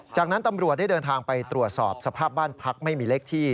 จากนั้นตำรวจได้เดินทางไปตรวจสอบสภาพบ้านพักไม่มีเลขที่